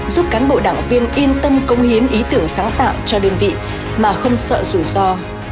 giúp cán bộ đảng viên yên tâm công hiến ý tưởng sáng tạo cho đơn vị mà không sợ rủi ro